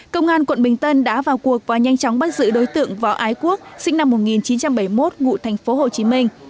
công an quận bình tân đã vào cuộc và nhanh chóng bắt giữ đối tượng võ ái quốc sinh năm một nghìn chín trăm bảy mươi một ngụ thành phố hồ chí minh